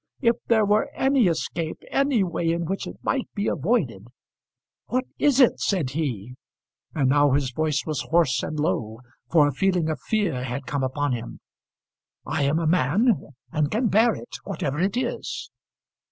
If there were any escape, any way in which it might be avoided." "What is it?" said he. And now his voice was hoarse and low, for a feeling of fear had come upon him. "I am a man and can bear it, whatever it is."